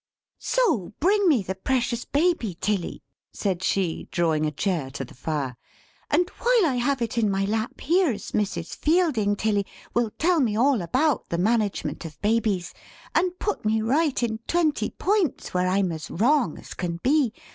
"So bring me the precious Baby, Tilly," said she, drawing a chair to the fire; "and while I have it in my lap, here's Mrs. Fielding, Tilly, will tell me all about the management of Babies, and put me right in twenty points where I'm as wrong as can be.